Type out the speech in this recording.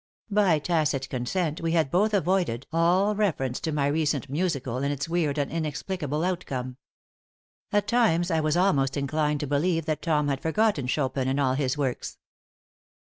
By tacit consent we had both avoided all reference to my recent musical and its weird and inexplicable outcome. At times, I was almost inclined to believe that Tom had forgotten Chopin and all his works.